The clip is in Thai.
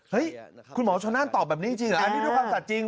เฮ้ยคุณหมอชนนาฬตอบแบบนี้จริงหรืออันนี้ด้วยความจัดจริง